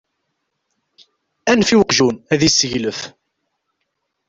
Anef i uqjun, ad isseglef!